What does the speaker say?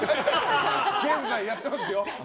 現在やってますよ。